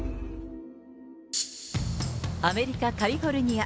アメリカ・カリフォルニア。